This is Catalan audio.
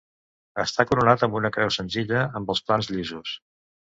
Està coronat amb una creu senzilla, amb els plans llisos.